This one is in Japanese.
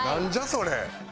それ。